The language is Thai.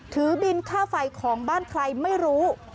ถือบินค่าไฟของบ้านใครไม่รู้